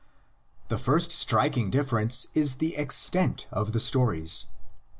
The first striking difference is the extent of the stories.